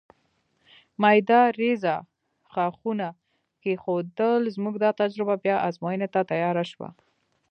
مېده رېزه ښاخونه کېښودل، زموږ دا تجربه بیا ازموینې ته تیاره شوه.